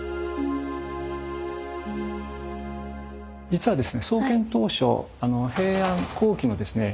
実はですね創建当初平安後期のですね